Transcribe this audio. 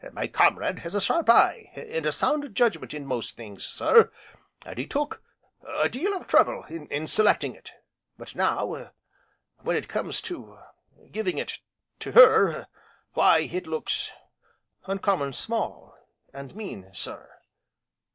My comrade has a sharp eye, and a sound judgment in most things, sir and we took a deal of trouble in selecting it. But now when it comes to giving it to Her, why it looks uncommon small, and mean, sir."